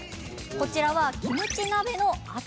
こちらはキムチ鍋のあと。